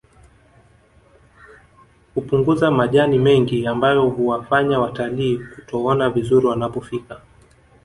Hkupunguza majani mengi ambayo huwafanya watalii kutoona vizuri wanapofika